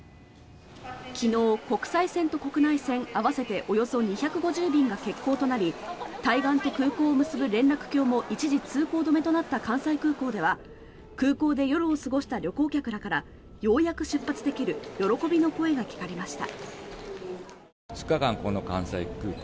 昨日、国際線と国内線合わせておよそ２５０便が欠航となり対岸と空港を結ぶ連絡橋も一時通行止めとなった関西空港では空港で夜を過ごした旅行客らからようやく出発できる喜びの声が聞かれました。